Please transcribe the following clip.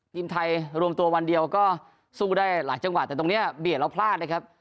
ทีมไทยรวมตัววันเดียวก็สู้ได้หลายจังหวะแต่ตรงนี้เบียดแล้วพลาดนะครับ